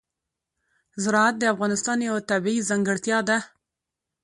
زراعت د افغانستان یوه طبیعي ځانګړتیا ده.